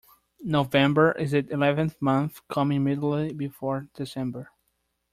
November is the eleventh month, coming immediately before December